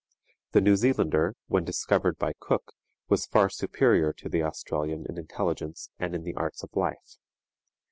The New Zealander, when discovered by Cook, was far superior to the Australian in intelligence and in the arts of life.